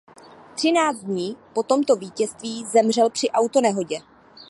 Třináct dní po tomto vítězství zemřel při autonehodě.